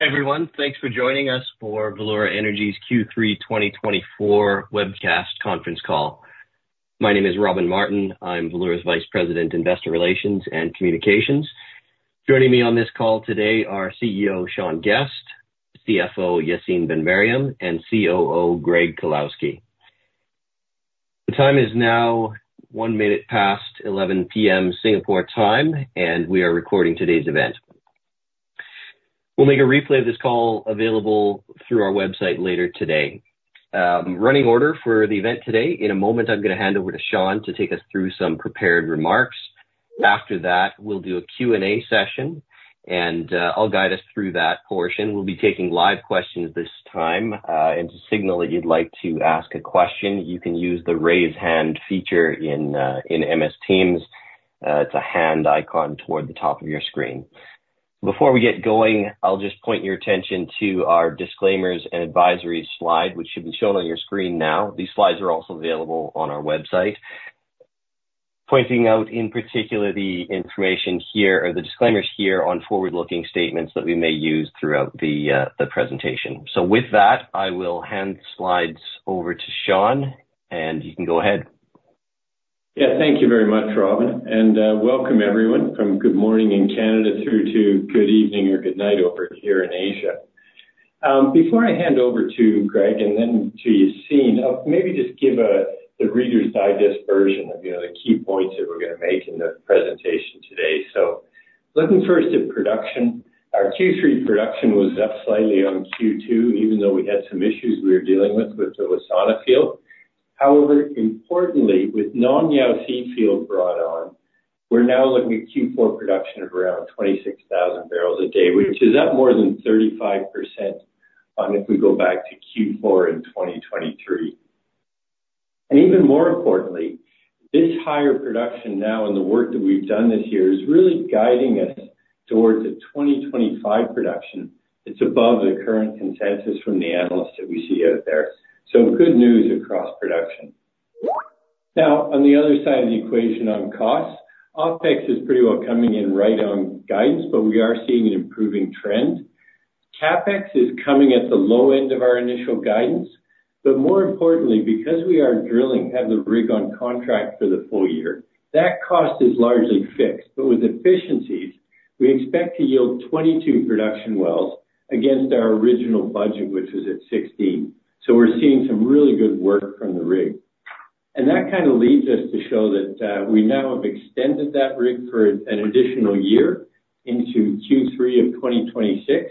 Everyone, thanks for joining us for Valeura Energy's Q3 2024 webcast conference call. My name is Robin Martin. I'm Valeura's Vice President, Investor Relations and Communications. Joining me on this call today are CEO Sean Guest, CFO Yacine Ben-Meriem, and COO Greg Kulawski. The time is now 11:01 P.M. Singapore time, and we are recording today's event. We'll make a replay of this call available through our website later today. Running order for the event today, in a moment I'm going to hand over to Sean to take us through some prepared remarks. After that, we'll do a Q&A session, and I'll guide us through that portion. We'll be taking live questions this time. And to signal that you'd like to ask a question, you can use the raise hand feature in Microsoft Teams. It's a hand icon toward the top of your screen. Before we get going, I'll just point your attention to our disclaimers and advisory slide, which should be shown on your screen now. These slides are also available on our website. Pointing out in particular the information here or the disclaimers here on forward-looking statements that we may use throughout the presentation. So with that, I will hand the slides over to Sean, and you can go ahead. Yeah, thank you very much, Robin. And welcome, everyone. From good morning in Canada through to good evening or good night over here in Asia. Before I hand over to Greg and then to Yacine, maybe just give the Reader's Digest version of the key points that we're going to make in the presentation today. So looking first at production, our Q3 production was up slightly on Q2, even though we had some issues we were dealing with with the Wassana field. However, importantly, with Nong Yao C field brought on, we're now looking at Q4 production of around 26,000 barrels a day, which is up more than 35% if we go back to Q4 in 2023. And even more importantly, this higher production now and the work that we've done this year is really guiding us towards a 2025 production that's above the current consensus from the analysts that we see out there. So good news across production. Now, on the other side of the equation on costs, OpEx is pretty well coming in right on guidance, but we are seeing an improving trend. CapEx is coming at the low end of our initial guidance, but more importantly, because we are drilling, have the rig on contract for the full year, that cost is largely fixed. But with efficiencies, we expect to yield 22 production wells against our original budget, which was at 16. So we're seeing some really good work from the rig. And that kind of leads us to show that we now have extended that rig for an additional year into Q3 of 2026.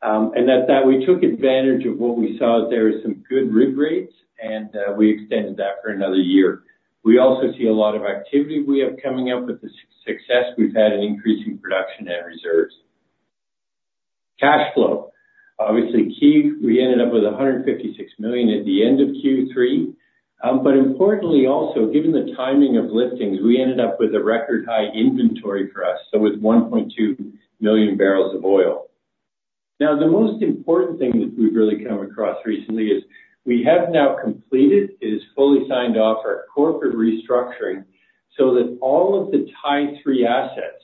That we took advantage of what we saw there as some good rig rates, and we extended that for another year. We also see a lot of activity we have coming up with the success we've had in increasing production and reserves. Cash flow, obviously key. We ended up with $156 million at the end of Q3. Importantly also, given the timing of liftings, we ended up with a record high inventory for us, so with 1.2 million barrels of oil. Now, the most important thing that we've really come across recently is we have now completed. It is fully signed off on our corporate restructuring so that all of the Thai III assets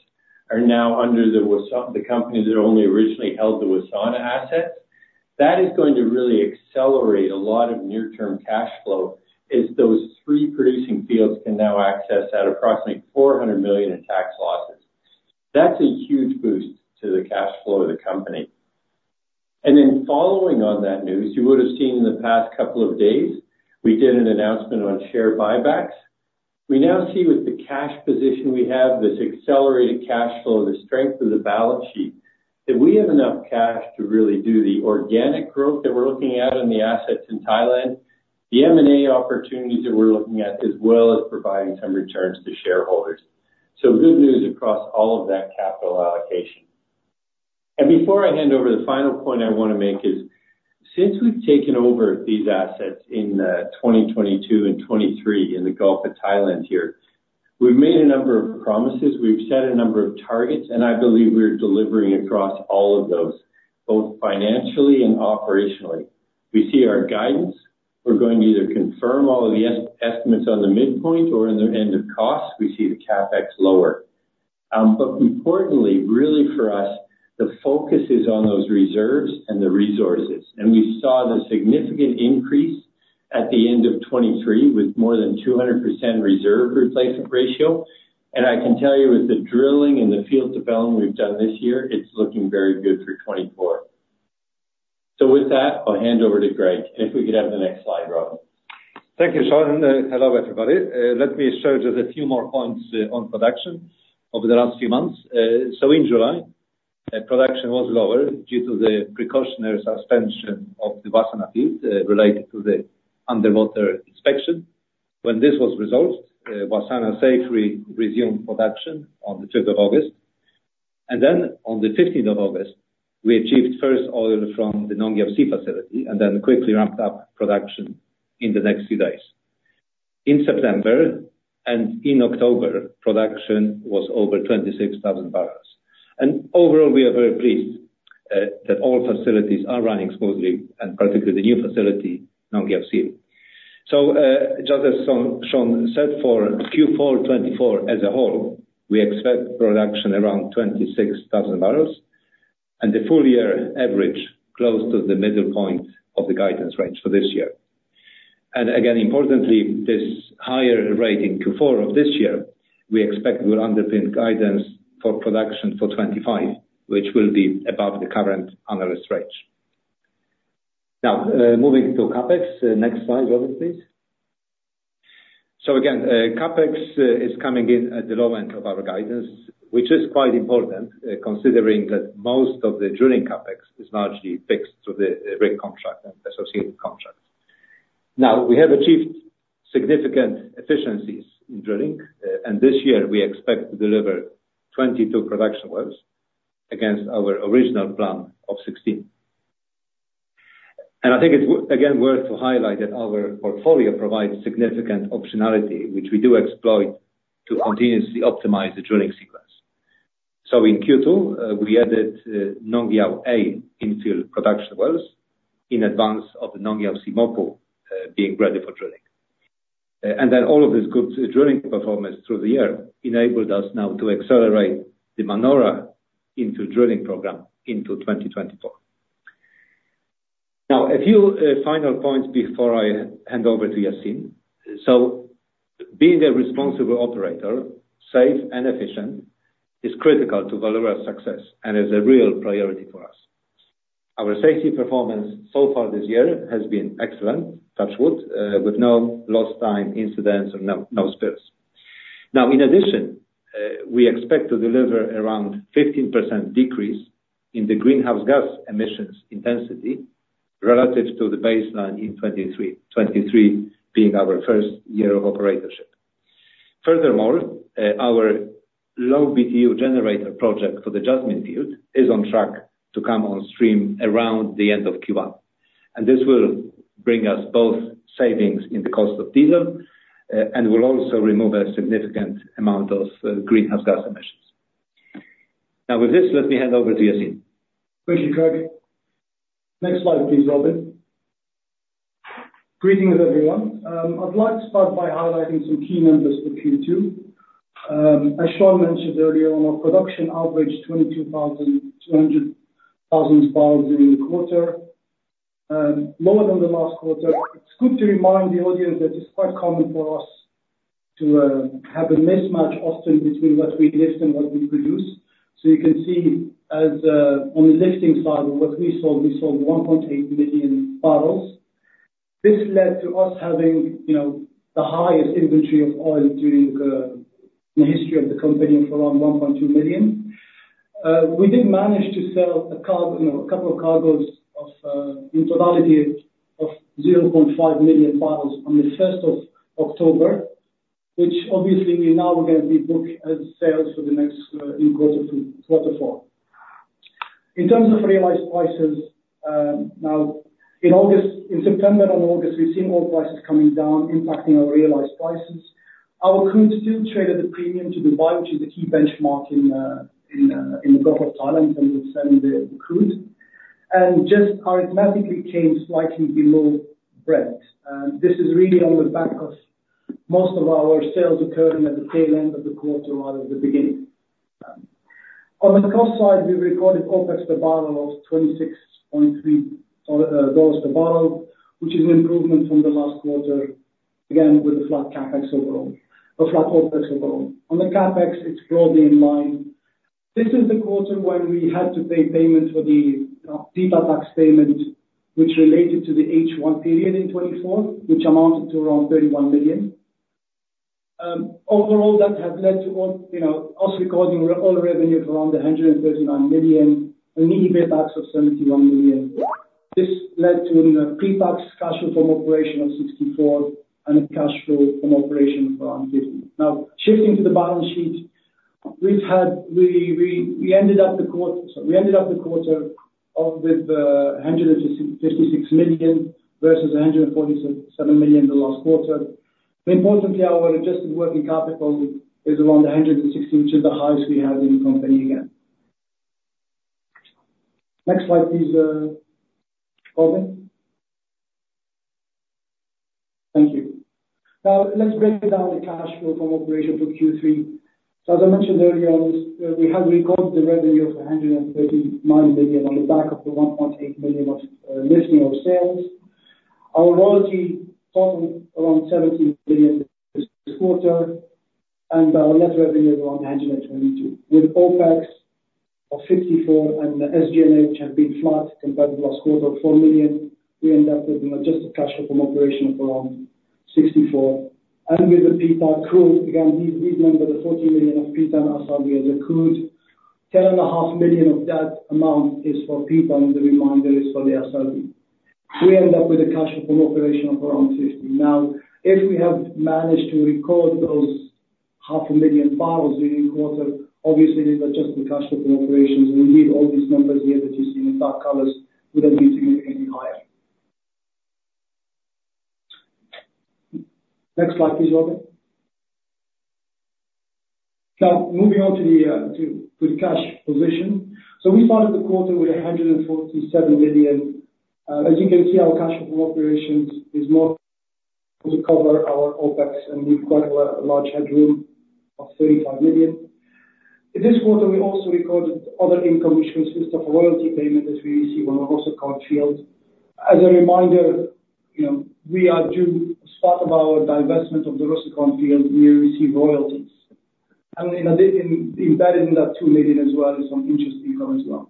are now under the company that only originally held the Wassana assets. That is going to really accelerate a lot of near-term cash flow as those three producing fields can now access approximately $400 million in tax losses. That's a huge boost to the cash flow of the company. And then following on that news, you would have seen in the past couple of days, we did an announcement on share buybacks. We now see with the cash position we have, this accelerated cash flow, the strength of the balance sheet, that we have enough cash to really do the organic growth that we're looking at in the assets in Thailand, the M&A opportunities that we're looking at, as well as providing some returns to shareholders. So good news across all of that capital allocation. Before I hand over, the final point I want to make is since we've taken over these assets in 2022 and 2023 in the Gulf of Thailand here, we've made a number of promises. We've set a number of targets, and I believe we're delivering across all of those, both financially and operationally. We see our guidance. We're going to either confirm all of the estimates on the midpoint or in the end of costs. We see the CAPEX lower. Importantly, really for us, the focus is on those reserves and the resources. We saw the significant increase at the end of 2023 with more than 200% reserve replacement ratio. I can tell you with the drilling and the field development we've done this year, it's looking very good for 2024. With that, I'll hand over to Greg. If we could have the next slide, Robin. Thank you, Sean. Hello, everybody. Let me show just a few more points on production over the last few months. So in July, production was lower due to the precautionary suspension of the Wassana field related to the underwater inspection. When this was resolved, Wassana safely resumed production on the 5th of August. And then on the 15th of August, we achieved first oil from the Nong Yao C facility and then quickly ramped up production in the next few days. In September and in October, production was over 26,000 barrels. And overall, we are very pleased that all facilities are running smoothly, and particularly the new facility, Nong Yao C. So just as Sean said, for Q4 2024 as a whole, we expect production around 26,000 barrels and the full year average close to the middle point of the guidance range for this year. Again, importantly, this higher rate in Q4 of this year, we expect will underpin guidance for production for 2025, which will be above the current analyst rate. Now, moving to CAPEX, next slide, Robin, please. Again, CapEx is coming in at the low end of our guidance, which is quite important considering that most of the drilling CAPEX is largely fixed through the rig contract and associated contracts. Now, we have achieved significant efficiencies in drilling, and this year we expect to deliver 22 production wells against our original plan of 16. I think it's again worth to highlight that our portfolio provides significant optionality, which we do exploit to continuously optimize the drilling sequence. In Q2, we added Nong Yao A infill production wells in advance of the Nong Yao C mobile being ready for drilling. All of this good drilling performance through the year enabled us now to accelerate the Manora infill drilling program into 2024. Now, a few final points before I hand over to Yacine. Being a responsible operator, safe and efficient is critical to Valeura's success and is a real priority for us. Our safety performance so far this year has been excellent, touch wood, with no lost time incidents or no spills. Now, in addition, we expect to deliver around 15% decrease in the greenhouse gas emissions intensity relative to the baseline in 2023, 2023 being our first year of operatorship. Furthermore, our low BTU generator project for the Jasmine field is on track to come on stream around the end of Q1. This will bring us both savings in the cost of diesel and will also remove a significant amount of greenhouse gas emissions. Now, with this, let me hand over to Yacine. Thank you, Greg. Next slide, please, Robin. Greetings, everyone. I'd like to start by highlighting some key numbers for Q2. As Sean mentioned earlier, on our production average, 22,200 barrels in the quarter, lower than the last quarter. It's good to remind the audience that it's quite common for us to have a mismatch often between what we lift and what we produce. So you can see on the lifting side, what we sold, we sold 1.8 million barrels. This led to us having the highest inventory of oil during the history of the company of around 1.2 million. We did manage to sell a couple of cargoes in totality of 0.5 million barrels on the 1st of October, which obviously we now are going to be booked as sales for the next quarter four. In terms of realized prices, now in September and August, we've seen oil prices coming down, impacting our realized prices. Our crude still traded at premium to Dubai, which is the key benchmark in the Gulf of Thailand, and we're selling the crude. And just arithmetically came slightly below Brent. This is really on the back of most of our sales occurring at the tail end of the quarter rather than the beginning. On the cost side, we recorded OPEX per barrel of $26.3 per barrel, which is an improvement from the last quarter, again with the flat CAPEX overall, or flat OPEX overall. On the CAPEX, it's broadly in line. This is the quarter when we had to pay payment for the pre-tax payment, which related to the H1 period in 2024, which amounted to around $31 million. Overall, that has led to us recording all revenue of around $139 million and EBITDA of $71 million. This led to a pre-tax cash flow from operations of $64 million and a cash flow from operations of around $50 million. Now, shifting to the balance sheet, we ended the quarter with $156 million versus $147 million the last quarter. Importantly, our adjusted working capital is around $160 million, which is the highest we have in the company again. Next slide, please, Robin. Thank you. Now, let's break down the cash flow from operations for Q3. So as I mentioned earlier, we have recorded the revenue of $139 million on the back of the $1.8 million of liftings of sales. Our royalty total around $17 million this quarter, and our net revenue is around $122 million. With OPEX of $54 million and SG&A, which have been flat compared to last quarter, of $4 million, we end up with an adjusted cash flow from operation of around $64 million, and with the PITA accrual, again, these numbers, the $14 million of PITA and SRB as accrued, $10.5 million of that amount is for PITA and the remainder is for the SRB. We end up with a cash flow from operation of around $50 million. Now, if we have managed to record those 500,000 barrels during quarter, obviously these adjusted cash flow from operations, and indeed all these numbers here that you see in the dark colors would have been significantly higher. Next slide, please, Robin. Now, moving on to the cash position, so we started the quarter with $147 million. As you can see, our cash flow from operations is more to cover our OPEX and we've got a large headroom of $35 million. This quarter, we also recorded other income, which consists of royalty payment that we receive on the Rossukon field. As a reminder, we are due part of our divestment of the Rossukon field, we receive royalties. And embedded in that $2 million as well is some interest income as well.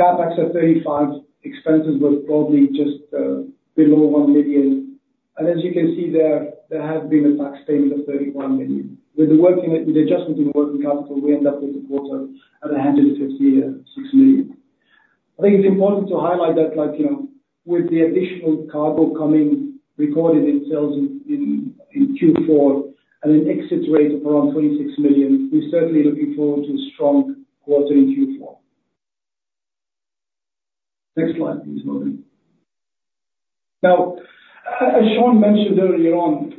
CAPEX at $35 million, expenses were probably just below $1 million. And as you can see there, there has been a tax payment of $31 million. With the adjustment in the working capital, we end up with the quarter at $156 million. I think it's important to highlight that with the additional cargo coming recorded in sales in Q4 and an exit rate of around 26 million, we're certainly looking forward to a strong quarter in Q4. Next slide, please, Robin. Now, as Sean mentioned earlier on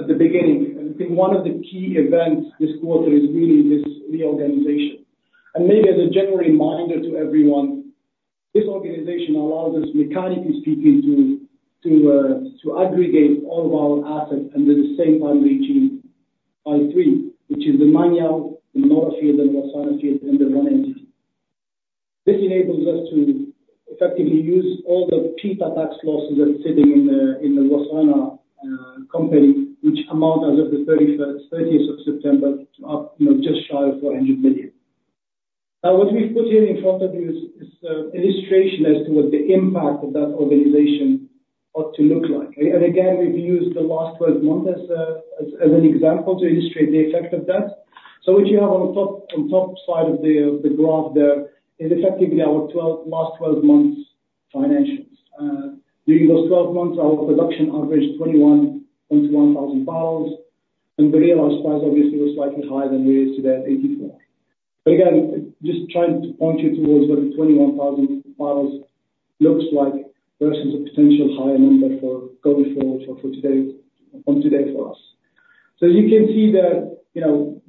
at the beginning, I think one of the key events this quarter is really this reorganization. Maybe as a general reminder to everyone, this organization allows us, mechanically speaking, to aggregate all of our assets and at the same time reaching Thai III, which is the Nong Yao, the Manora field, and the Wassana field in the one entity. This enables us to effectively use all the PITA tax losses that are sitting in the Wassana company, which amount as of the 30th of September to just shy of $400 million. Now, what we've put here in front of you is an illustration as to what the impact of that organization ought to look like. And again, we've used the last 12 months as an example to illustrate the effect of that. So what you have on the top side of the graph there is effectively our last 12 months' financials. During those 12 months, our production averaged 21,000 barrels. And the realized price obviously was slightly higher than it is today at $84. But again, just trying to point you towards what the 21,000 barrels looks like versus a potential higher number for going forward for today on today for us. So as you can see there,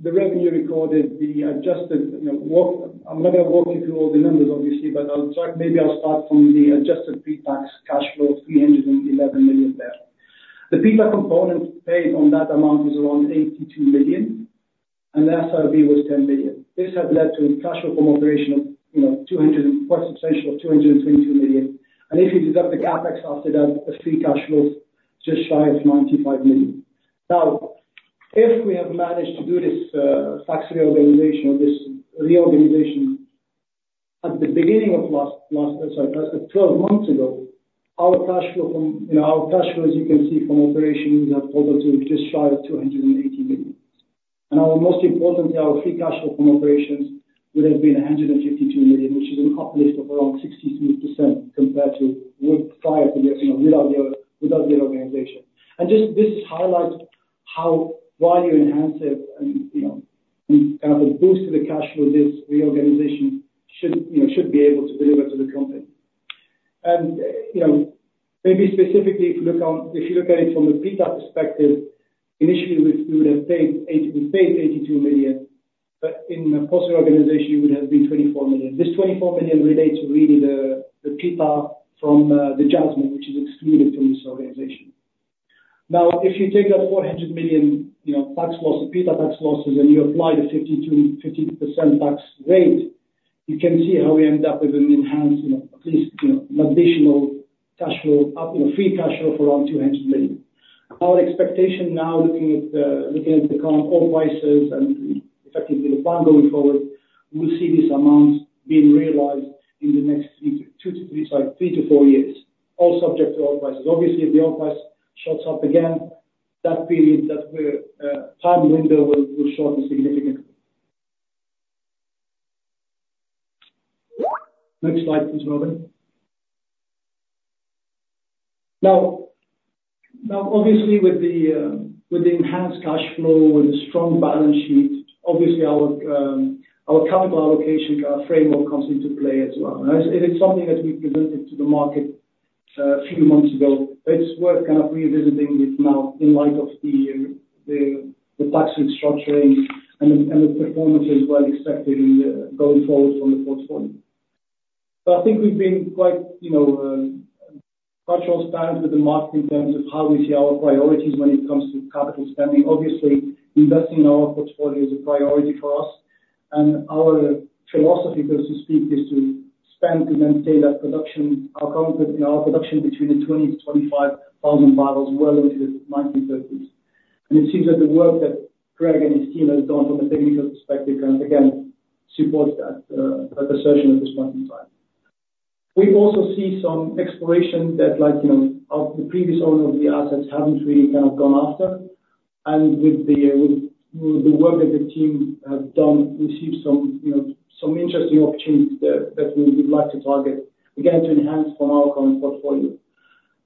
the revenue recorded, the adjusted, I'm not going to walk you through all the numbers obviously, but maybe I'll start from the adjusted pre-tax cash flow of $311 million there. The PITA component paid on that amount is around $82 million, and the SRB was $10 million. This has led to a cash flow from operation of quite substantial of $222 million. And if you deduct the CAPEX after that, the free cash flow is just shy of $95 million. Now, if we have managed to do this tax reorganization or this reorganization at the beginning of last, sorry, 12 months ago, our cash flow, as you can see from operations, have totaled to just shy of $280 million. And most importantly, our free cash flow from operations would have been $152 million, which is an uplift of around 62% compared to prior to without the reorganization. And just this is highlight how value enhancing and kind of a boost to the cash flow this reorganization should be able to deliver to the company. Maybe specifically, if you look at it from the PITA perspective, initially we would have paid $82 million, but in a post-reorganization, it would have been $24 million. This $24 million relates to really the PITA from the Jasmine, which is excluded from this reorganization. Now, if you take that $400 million tax losses, PITA tax losses, and you apply the 52% tax rate, you can see how we end up with an enhanced, at least an additional cash flow, free cash flow for around $200 million. Our expectation now, looking at the current oil prices and effectively the plan going forward, we'll see these amounts being realized in the next two to three, sorry, three to four years, all subject to oil prices. Obviously, if the oil price shoots up again, that period, that time window will shorten significantly. Next slide, please, Robin. Now, obviously, with the enhanced cash flow, with a strong balance sheet, obviously our capital allocation framework comes into play as well, and it is something that we presented to the market a few months ago. It's worth kind of revisiting it now in light of the tax restructuring and the performance as well expected going forward from the portfolio, but I think we've been quite transparent with the market in terms of how we see our priorities when it comes to capital spending. Obviously, investing in our portfolio is a priority for us, and our philosophy, so to speak, is to spend to maintain our production between 20,000-25,000 barrels well into the 2030s, and it seems that the work that Greg and Yacine have done from a technical perspective kind of again supports that assertion at this point in time. We also see some exploration that the previous owner of the assets haven't really kind of gone after, and with the work that the team have done, we see some interesting opportunities that we would like to target, again, to enhance from our current portfolio.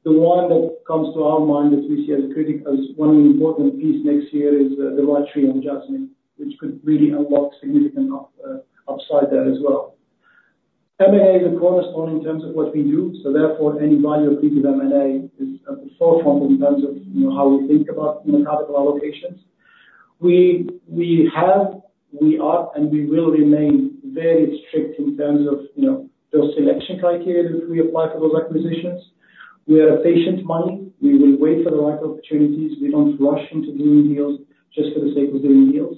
The one that comes to our mind that we see as critical, as one important piece next year is the rig-free on Jasmine, which could really unlock significant upside there as well. M&A is a cornerstone in terms of what we do. So therefore, any value appreciative M&A is at the forefront in terms of how we think about capital allocations. We are, and we will remain very strict in terms of those selection criteria that we apply for those acquisitions. We are patient money. We will wait for the right opportunities. We don't rush into doing deals just for the sake of doing deals.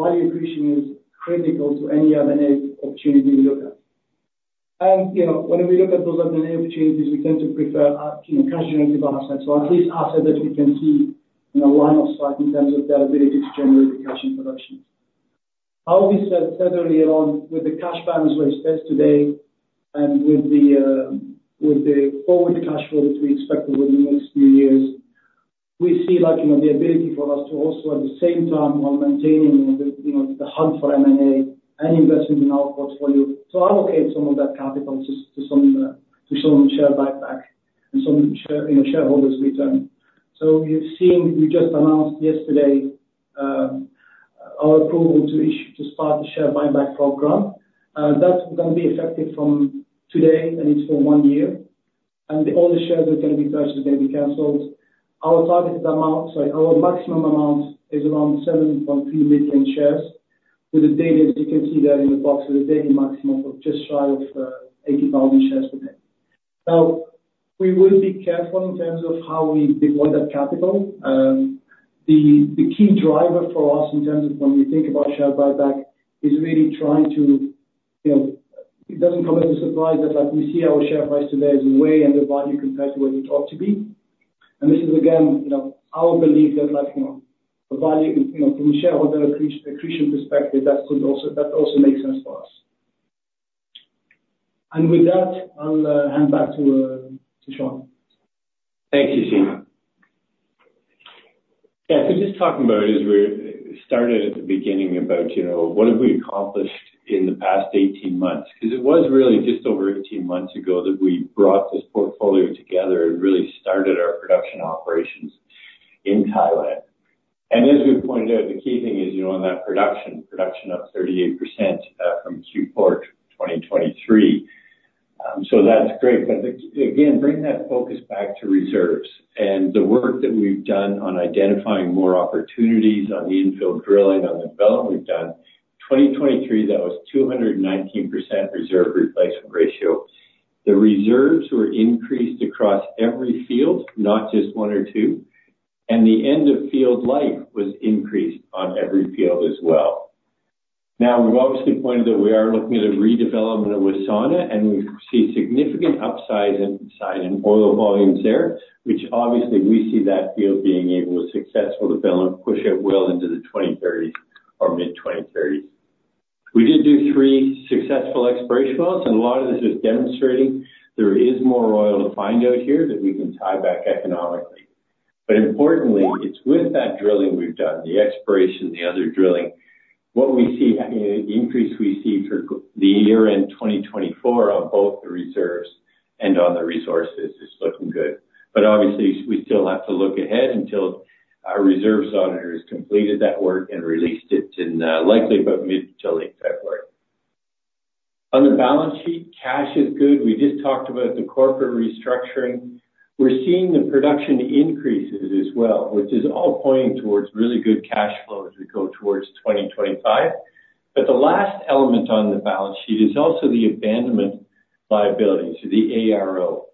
Value appreciation is critical to any M&A opportunity we look at. And when we look at those M&A opportunities, we tend to prefer cash-generated assets or at least assets that we can see in a line of sight in terms of their ability to generate the cash in production. As we said earlier on, with the cash balance where it stands today and with the forward cash flow that we expect over the next few years, we see the ability for us to also at the same time while maintaining the hunt for M&A and investment in our portfolio to allocate some of that capital to some share buyback and some shareholders' return. So you've seen we just announced yesterday our approval to start the share buyback program. That's going to be effective from today, and it's for one year. And all the shares that are going to be purchased are going to be canceled. Our targeted amount, sorry, our maximum amount is around 7.3 million shares with a daily, as you can see there in the box, with a daily maximum of just shy of 80,000 shares per day. Now, we will be careful in terms of how we deploy that capital. The key driver for us in terms of when we think about share buyback is really trying to, it doesn't come as a surprise that we see our share price today is way undervalued compared to where it ought to be. And this is, again, our belief that the value from a shareholder accretion perspective, that also makes sense for us. And with that, I'll hand back to Shaun. Thanks, Yacine. Yeah, so just talking about it as we started at the beginning about what have we accomplished in the past 18 months. Because it was really just over 18 months ago that we brought this portfolio together and really started our production operations in Thailand. And as we pointed out, the key thing is on that production, production up 38% from Q4 2023. So that's great. But again, bring that focus back to reserves. And the work that we've done on identifying more opportunities on the infill drilling on the development we've done, 2023, that was 219% reserve replacement ratio. The reserves were increased across every field, not just one or two. And the end of field life was increased on every field as well. Now, we've obviously pointed that we are looking at a redevelopment of Wassana, and we see significant upside in oil volumes there, which obviously we see that field being able to successfully push it well into the 2030s or mid-2030s. We did do three successful exploration wells, and a lot of this is demonstrating there is more oil to find out here that we can tie back economically. But importantly, it's with that drilling we've done, the exploration, the other drilling, what we see, the increase we see for the year-end 2024 on both the reserves and on the resources is looking good. But obviously, we still have to look ahead until our reserves auditor has completed that work and released it in likely about mid to late February. On the balance sheet, cash is good. We just talked about the corporate restructuring. We're seeing the production increases as well, which is all pointing towards really good cash flow as we go towards 2025, but the last element on the balance sheet is also the abandonment liabilities, the ARO.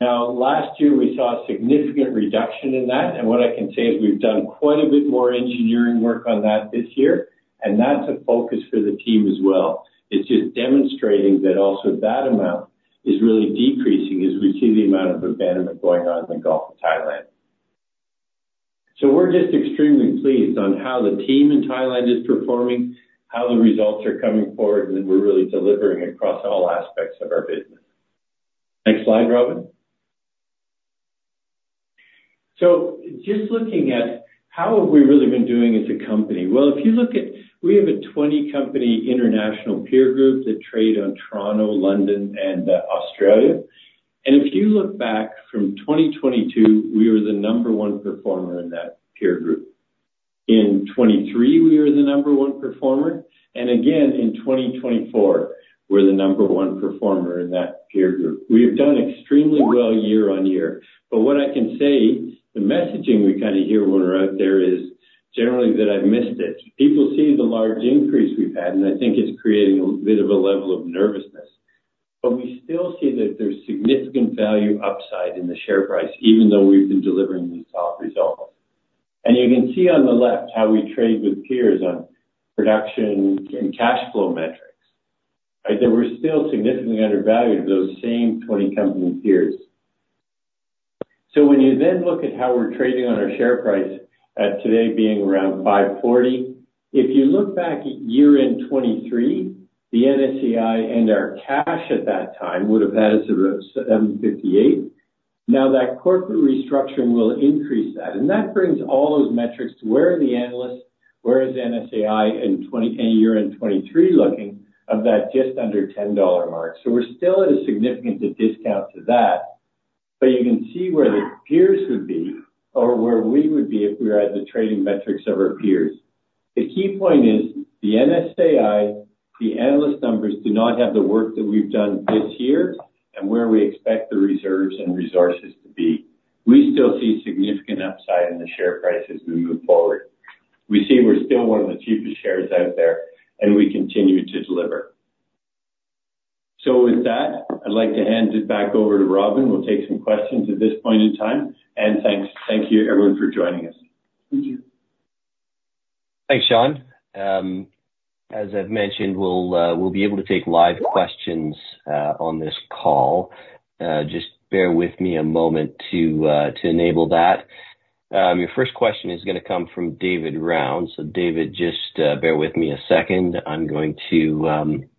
Now, last year, we saw a significant reduction in that, and what I can say is we've done quite a bit more engineering work on that this year, and that's a focus for the team as well. It's just demonstrating that also that amount is really decreasing as we see the amount of abandonment going on in the Gulf of Thailand, so we're just extremely pleased on how the team in Thailand is performing, how the results are coming forward, and that we're really delivering across all aspects of our business. Next slide, Robin, so just looking at how have we really been doing as a company? If you look at, we have a 20-company international peer group that trade on Toronto, London, and Australia. And if you look back from 2022, we were the number one performer in that peer group. In 2023, we were the number one performer. And again, in 2024, we're the number one performer in that peer group. We have done extremely well year on year. But what I can say, the messaging we kind of hear when we're out there is generally that I've missed it. People see the large increase we've had, and I think it's creating a bit of a level of nervousness. But we still see that there's significant value upside in the share price, even though we've been delivering these top results. And you can see on the left how we trade with peers on production and cash flow metrics. There were still significantly undervalued of those same 20-company peers, so when you then look at how we're trading on our share price today being around 0.54, if you look back at year-end 2023, the NSAI and our cash at that time would have had us at 0.758. Now, that corporate restructuring will increase that, and that brings all those metrics to where are the analysts, where is NSAI in year-end 2023 looking of that just under $10 mark, so we're still at a significant discount to that, but you can see where the peers would be or where we would be if we were at the trading metrics of our peers. The key point is the NSAI, the analyst numbers do not have the work that we've done this year and where we expect the reserves and resources to be. We still see significant upside in the share price as we move forward. We see we're still one of the cheapest shares out there, and we continue to deliver. So with that, I'd like to hand it back over to Robin. We'll take some questions at this point in time. And thanks. Thank you, everyone, for joining us. Thank you. Thanks, Sean. As I've mentioned, we'll be able to take live questions on this call. Just bear with me a moment to enable that. Your first question is going to come from David Round. So David, just bear with me a second. I'm going to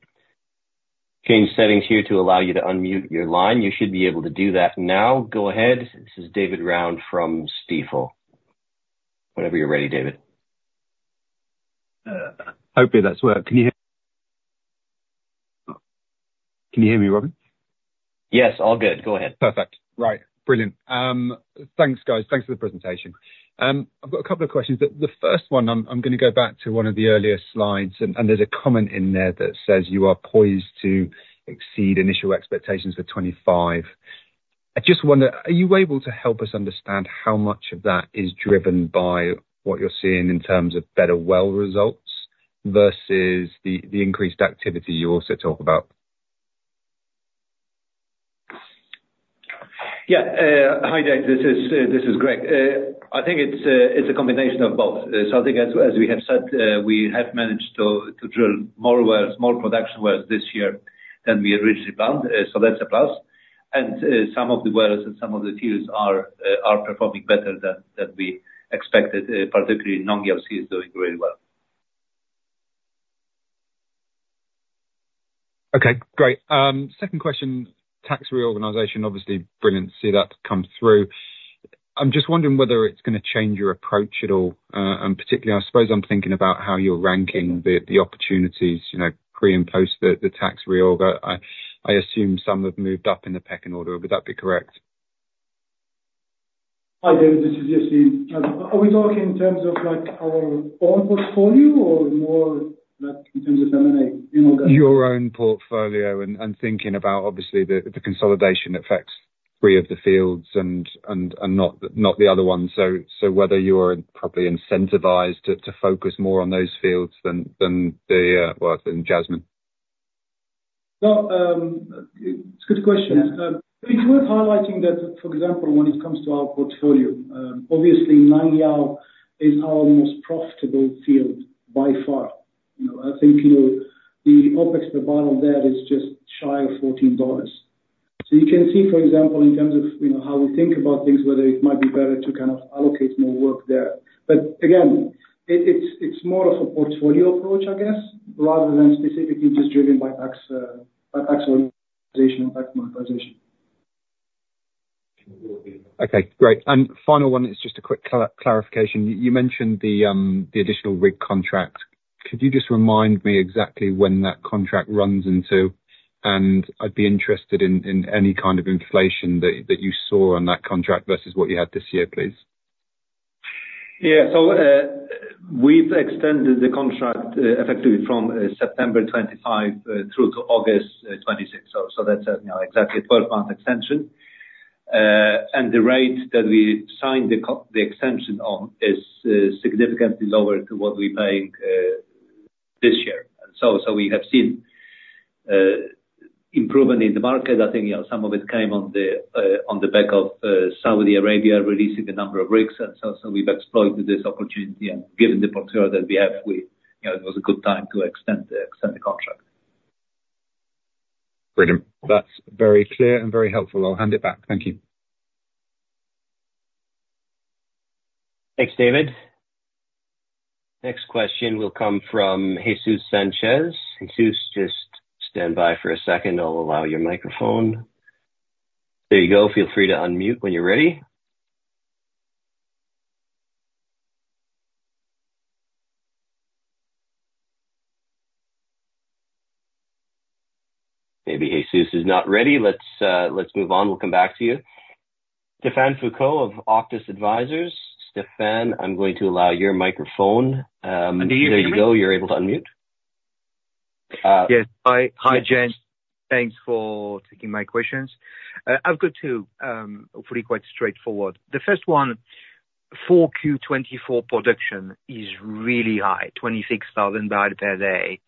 change settings here to allow you to unmute your line. You should be able to do that now. Go ahead. This is David Round from Stifel. Whenever you're ready, David. Hopefully, that's work. Can you hear me, Robin? Yes, all good. Go ahead. Perfect. Right. Brilliant. Thanks, guys. Thanks for the presentation. I've got a couple of questions. The first one, I'm going to go back to one of the earlier slides, and there's a comment in there that says you are poised to exceed initial expectations for 2025. I just wonder, are you able to help us understand how much of that is driven by what you're seeing in terms of better well results versus the increased activity you also talk about? Yeah. Hi, David. This is Greg. I think it's a combination of both. So I think, as we have said, we have managed to drill more wells, more production wells this year than we originally planned. So that's a plus. And some of the wells and some of the fields are performing better than we expected, particularly Nong Yao C is doing really well. Okay. Great. Second question, tax reorganization, obviously brilliant to see that come through. I'm just wondering whether it's going to change your approach at all. And particularly, I suppose I'm thinking about how you're ranking the opportunities pre and post the tax reorg. I assume some have moved up in the pecking order. Would that be correct? Hi, David. This is Yacine. Are we talking in terms of our own portfolio or more in terms of M&A? Your own portfolio and thinking about, obviously, the consolidation affects three of the fields and not the other one, so whether you're probably incentivized to focus more on those fields than Jasmine. It's a good question. We're highlighting that, for example, when it comes to our portfolio, obviously, Nong Yao is our most profitable field by far. I think the OPEX per barrel there is just shy of $14. So you can see, for example, in terms of how we think about things, whether it might be better to kind of allocate more work there. But again, it's more of a portfolio approach, I guess, rather than specifically just driven by tax organization or tax monetization. Okay. Great. And final one, it's just a quick clarification. You mentioned the additional rig contract. Could you just remind me exactly when that contract runs into? And I'd be interested in any kind of inflation that you saw on that contract versus what you had this year, please. Yeah. So we've extended the contract effectively from September 25 through to August 26. So that's exactly a 12-month extension. And the rate that we signed the extension on is significantly lower to what we're paying this year. So we have seen improvement in the market. I think some of it came on the back of Saudi Arabia releasing a number of rigs. And so we've exploited this opportunity. And given the portfolio that we have, it was a good time to extend the contract. Brilliant. That's very clear and very helpful. I'll hand it back. Thank you. Thanks, David. Next question will come from Jesus Sanchez. Jesus, just stand by for a second. I'll allow your microphone. There you go. Feel free to unmute when you're ready. Maybe Jesus is not ready. Let's move on. We'll come back to you. Stephane Foucaud of Auctus Advisors. Stephane, I'm going to allow your microphone. There you go. You're able to unmute. Yes. Hi, Jen. Thanks for taking my questions. I've got two, hopefully quite straightforward. The first one, 4Q24 production is really high, 26,000 barrels per day.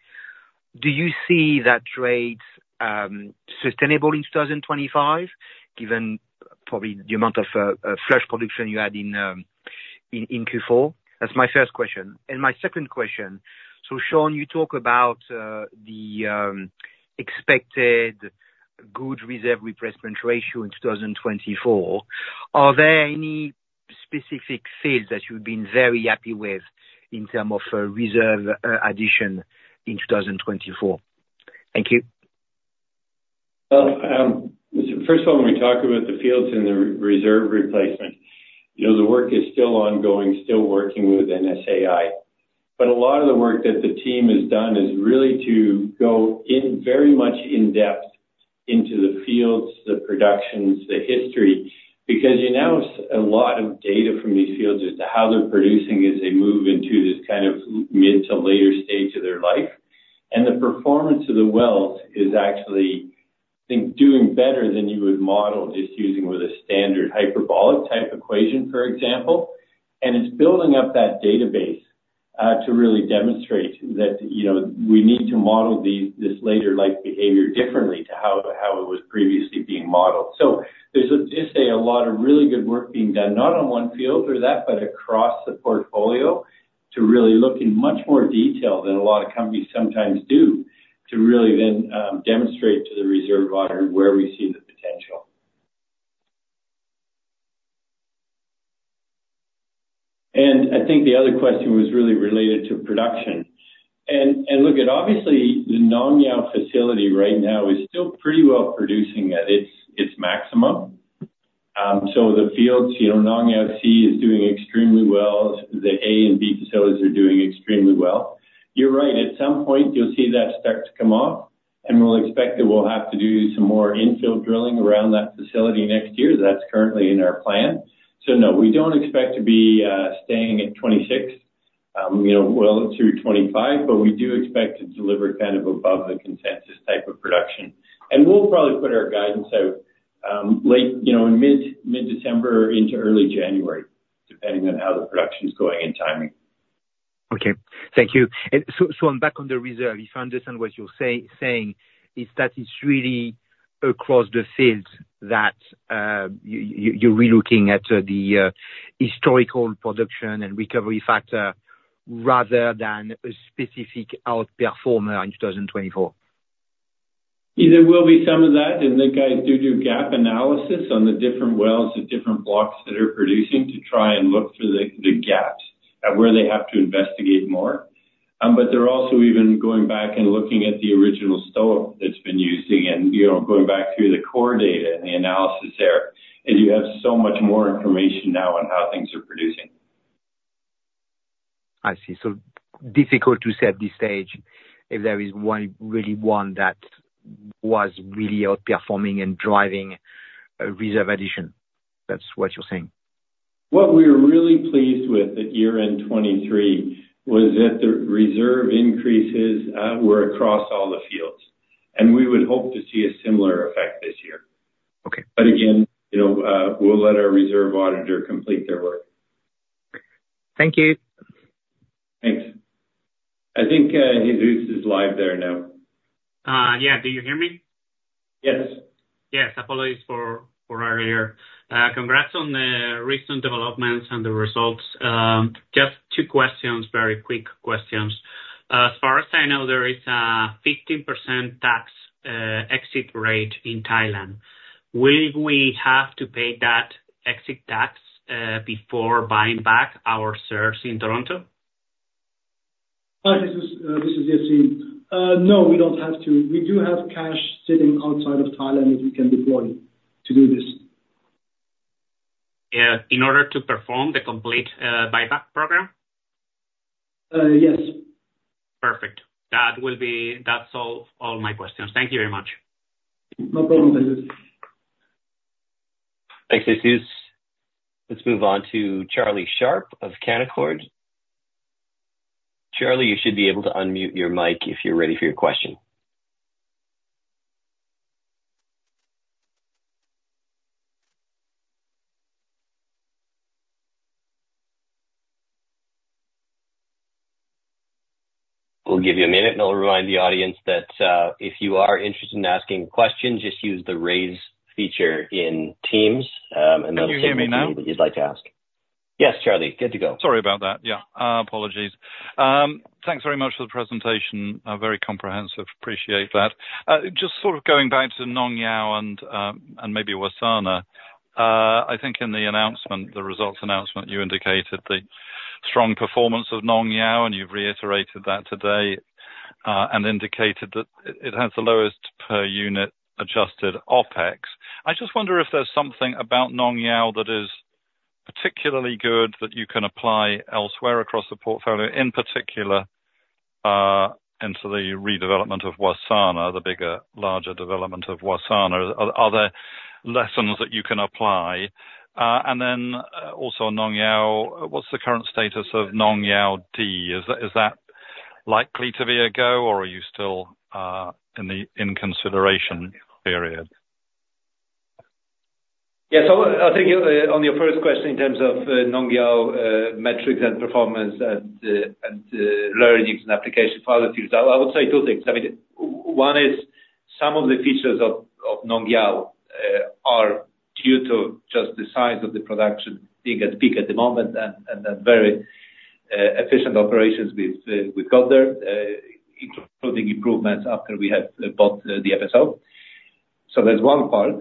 Do you see that rate sustainable in 2025, given probably the amount of flush production you had in Q4? That's my first question. And my second question, so Shaun, you talk about the expected good reserve replacement ratio in 2024. Are there any specific fields that you've been very happy with in terms of reserve addition in 2024? Thank you. First of all, when we talk about the fields and the reserve replacement, the work is still ongoing, still working with NSAI. But a lot of the work that the team has done is really to go in very much in-depth into the fields, the productions, the history. Because you now have a lot of data from these fields as to how they're producing as they move into this kind of mid to later stage of their life. And the performance of the wells is actually, I think, doing better than you would model just using a standard hyperbolic type equation, for example. And it's building up that database to really demonstrate that we need to model this later life behavior differently to how it was previously being modeled. So there's just a lot of really good work being done, not on one field or that, but across the portfolio to really look in much more detail than a lot of companies sometimes do to really then demonstrate to the reserve auditor where we see the potential. And I think the other question was really related to production. And look at, obviously, the Nong Yao facility right now is still pretty well producing at its maximum. So the fields, Nong Yao C is doing extremely well. The A and B facilities are doing extremely well. You're right. At some point, you'll see that start to come off. And we'll expect that we'll have to do some more infill drilling around that facility next year. That's currently in our plan. No, we don't expect to be staying at 26 well through 2025, but we do expect to deliver kind of above the consensus type of production. We'll probably put our guidance out in mid-December or into early January, depending on how the production's going and timing. Okay. Thank you. So I'm back on the reserves. If I understand what you're saying, it's that it's really across the fields that you're relooking at the historical production and recovery factor rather than a specific outperformer in 2024. There will be some of that. And the guys do gap analysis on the different wells of different blocks that are producing to try and look for the gaps at where they have to investigate more. But they're also even going back and looking at the original STOIIP that's been used again, going back through the core data and the analysis there. And you have so much more information now on how things are producing. I see. So difficult to say at this stage if there is really one that was really outperforming and driving reserve addition. That's what you're saying. What we were really pleased with at year-end 2023 was that the reserve increases were across all the fields, and we would hope to see a similar effect this year, but again, we'll let our reserve auditor complete their work. Thank you. Thanks. I think Jesus is live there now. Yeah. Do you hear me? Yes. Yes. Apologies for earlier. Congrats on the recent developments and the results. Just two questions, very quick questions. As far as I know, there is a 15% tax exit rate in Thailand. Will we have to pay that exit tax before buying back our shares in Toronto? Hi, this is Yacine. No, we don't have to. We do have cash sitting outside of Thailand that we can deploy to do this. Yeah. In order to perform the complete buyback program? Yes. Perfect. That's all my questions. Thank you very much. No problem, Jesus. Thanks, Jesus. Let's move on to Charlie Sharp of Canaccord. Charlie, you should be able to unmute your mic if you're ready for your question. We'll give you a minute, and I'll remind the audience that if you are interested in asking questions, just use the raise feature in Teams. And that's usually what you'd like to ask. Yes, Charlie. Good to go. Sorry about that. Yeah. Apologies. Thanks very much for the presentation. Very comprehensive. Appreciate that. Just sort of going back to Nong Yao and maybe Wassana, I think in the results announcement, you indicated the strong performance of Nong Yao, and you've reiterated that today and indicated that it has the lowest per unit adjusted OPEX. I just wonder if there's something about Nong Yao that is particularly good that you can apply elsewhere across the portfolio, in particular into the redevelopment of Wassana, the bigger, larger development of Wassana. Are there lessons that you can apply? And then also on Nong Yao, what's the current status of Nong Yao D? Is that likely to be a go, or are you still in the consideration period? Yeah. So I think on your first question in terms of Nong Yao metrics and performance and learnings and application for other fields, I would say two things. I mean, one is some of the features of Nong Yao are due to just the size of the production being at peak at the moment and then very efficient operations we've got there, including improvements after we have bought the FSO. So that's one part.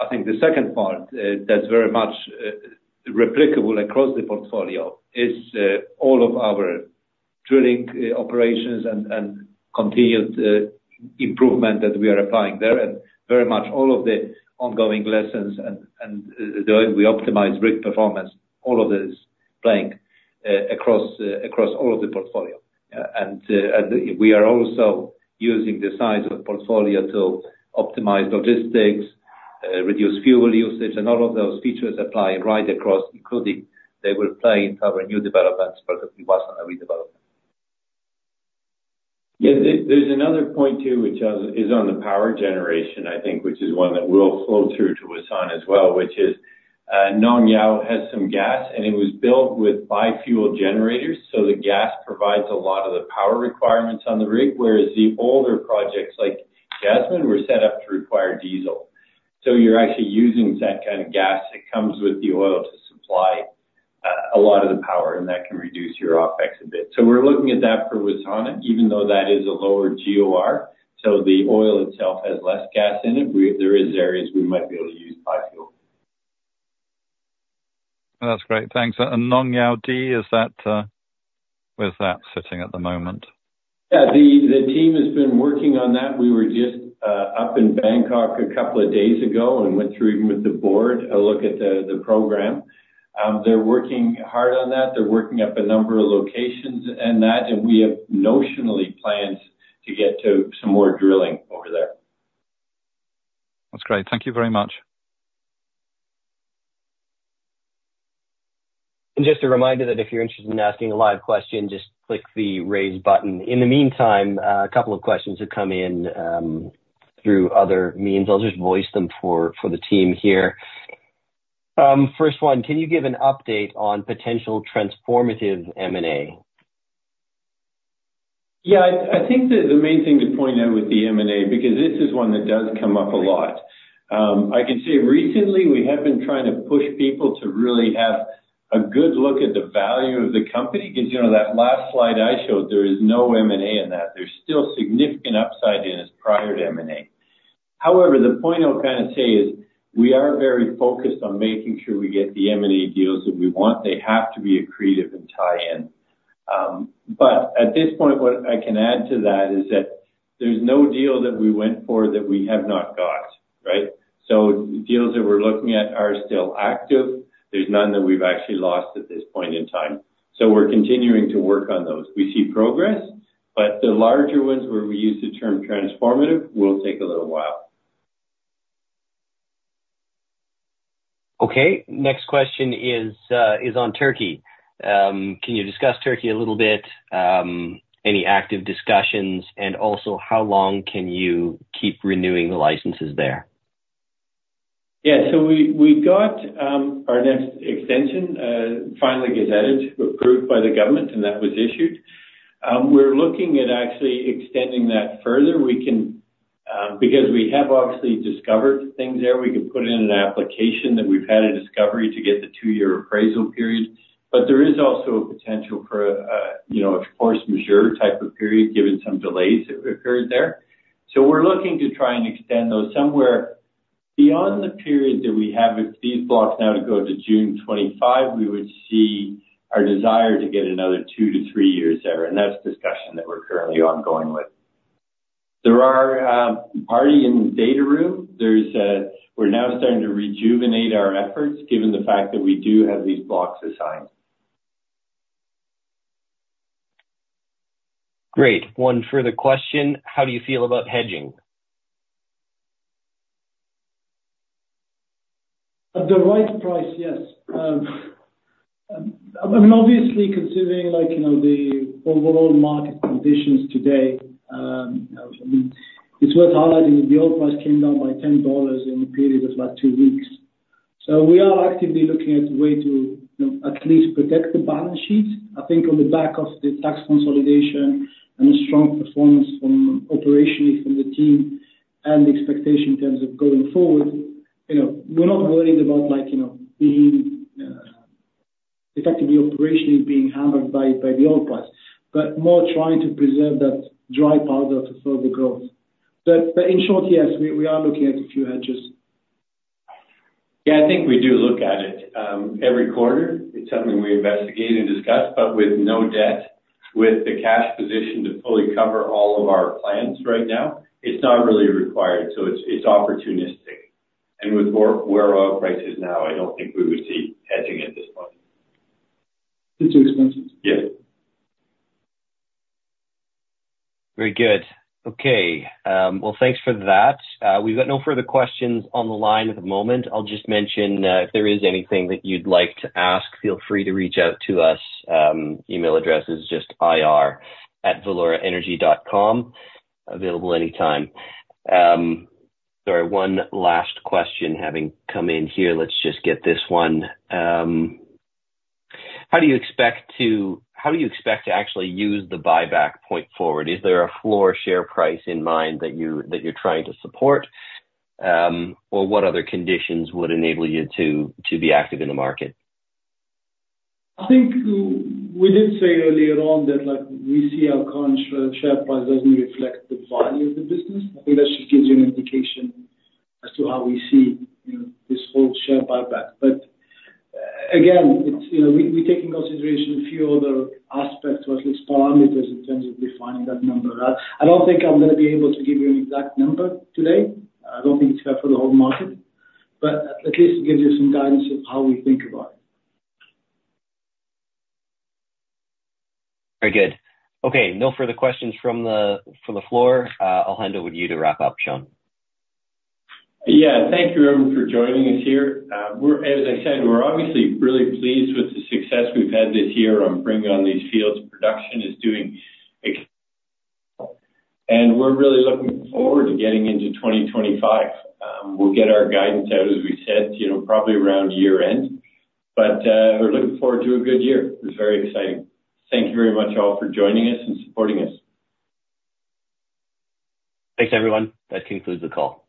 I think the second part that's very much replicable across the portfolio is all of our drilling operations and continued improvement that we are applying there. And very much all of the ongoing lessons and the way we optimize rig performance, all of this is playing across all of the portfolio. We are also using the size of the portfolio to optimize logistics, reduce fuel usage, and all of those features apply right across, including they will play into our new developments, particularly Wassana redevelopment. Yeah. There's another point too, which is on the power generation, I think, which is one that will flow through to Wassana as well, which is Nong Yao has some gas, and it was built with bi-fuel generators. So the gas provides a lot of the power requirements on the rig, whereas the older projects like Jasmine were set up to require diesel. So you're actually using that kind of gas that comes with the oil to supply a lot of the power, and that can reduce your OPEX a bit. So we're looking at that for Wassana, even though that is a lower GOR. So the oil itself has less gas in it. There are areas we might be able to use bi-fuel. That's great. Thanks, and Nong Yao D, where's that sitting at the moment? Yeah. The team has been working on that. We were just up in Bangkok a couple of days ago and went through with the board a look at the program. They're working hard on that. They're working up a number of locations and that, and we have notional plans to get to some more drilling over there. That's great. Thank you very much. Just a reminder that if you're interested in asking a live question, just click the raise button. In the meantime, a couple of questions have come in through other means. I'll just voice them for the team here. First one, can you give an update on potential transformative M&A? Yeah. I think the main thing to point out with the M&A, because this is one that does come up a lot. I can say recently we have been trying to push people to really have a good look at the value of the company. Because that last slide I showed, there is no M&A in that. There's still significant upside in its prior M&A. However, the point I'll kind of say is we are very focused on making sure we get the M&A deals that we want. They have to be accretive and tie in. But at this point, what I can add to that is that there's no deal that we went for that we have not got, right? So deals that we're looking at are still active. There's none that we've actually lost at this point in time. So we're continuing to work on those. We see progress, but the larger ones where we use the term transformative will take a little while. Okay. Next question is on Turkey. Can you discuss Turkey a little bit? Any active discussions? And also, how long can you keep renewing the licenses there? Yeah. So we got our next extension finally gets added, approved by the government, and that was issued. We're looking at actually extending that further. Because we have obviously discovered things there, we could put in an application that we've had a discovery to get the two-year appraisal period. But there is also a potential for a force majeure type of period given some delays that occurred there. So we're looking to try and extend those somewhere beyond the period that we have. If these blocks now go to June 25, we would see our desire to get another two to three years there. And that's a discussion that we're currently ongoing with. There are parties in the data room. We're now starting to rejuvenate our efforts given the fact that we do have these blocks assigned. Great. One further question. How do you feel about hedging? At the right price, yes. I mean, obviously, considering the overall market conditions today, it's worth highlighting that the oil price came down by $10 in the period of last two weeks. So we are actively looking at a way to at least protect the balance sheet. I think on the back of the tax consolidation and the strong performance operationally from the team and the expectation in terms of going forward, we're not worried about being effectively operationally being hammered by the oil price, but more trying to preserve that dry powder for further growth. But in short, yes, we are looking at a few hedges. Yeah. I think we do look at it every quarter. It's something we investigate and discuss, but with no debt, with the cash position to fully cover all of our plans right now, it's not really required. So it's opportunistic. And with where oil price is now, I don't think we would see hedging at this point. It's too expensive. Yes. Very good. Okay. Well, thanks for that. We've got no further questions on the line at the moment. I'll just mention if there is anything that you'd like to ask, feel free to reach out to us. Email address is just ir@valeuraenergy.com. Available anytime. Sorry. One last question having come in here. Let's just get this one. How do you expect to actually use the buyback going forward? Is there a floor share price in mind that you're trying to support? Or what other conditions would enable you to be active in the market? I think we did say earlier on that we see our current share price doesn't reflect the value of the business. I think that should give you an indication as to how we see this whole share buyback. But again, we're taking into consideration a few other aspects, or at least parameters in terms of defining that number. I don't think I'm going to be able to give you an exact number today. I don't think it's fair for the whole market. But at least it gives you some guidance of how we think about it. Very good. Okay. No further questions from the floor. I'll hand over to you to wrap up, Sean. Yeah. Thank you everyone for joining us here. As I said, we're obviously really pleased with the success we've had this year on bringing on these fields. Production is doing excellent. And we're really looking forward to getting into 2025. We'll get our guidance out, as we said, probably around year-end. But we're looking forward to a good year. It's very exciting. Thank you very much all for joining us and supporting us. Thanks, everyone. That concludes the call.